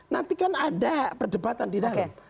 nanti kan ada perdebatan di dalam